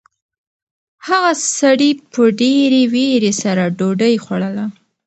هغه سړي په ډېرې وېرې سره ډوډۍ خوړله.